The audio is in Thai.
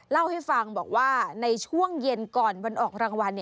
เล่าให้ฟังบอกว่าในช่วงเย็นก่อนวันออกรางวัล